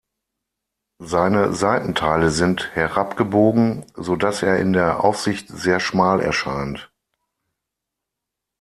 Seine Seitenteile sind herab gebogen, so dass er in der Aufsicht sehr schmal erscheint.